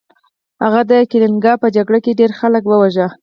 هغه د کلینګا په جګړه کې ډیر خلک وواژه.